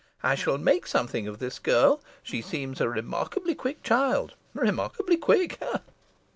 I shall make something of this girl. She seems a remarkably quick child remarkably quick ha, ha!"